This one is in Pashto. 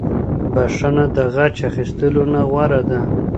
بښنه د غچ اخيستلو نه غوره ده.